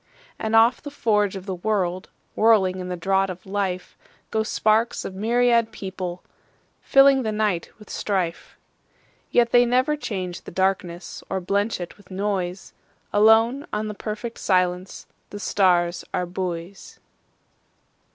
And off the forge of the world, Whirling in the draught of life, Go sparks of myriad people, fillingThe night with strife. Yet they never change the darknessOr blench it with noise; Alone on the perfect silenceThe stars are buoys.